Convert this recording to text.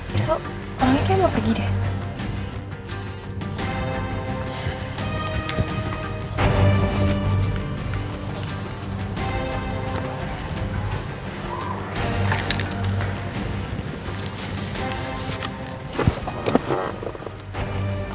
besok orangnya kayaknya mau pergi deh